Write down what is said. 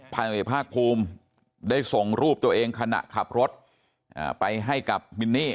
พันเอกภาคภูมิได้ส่งรูปตัวเองขณะขับรถไปให้กับมินนี่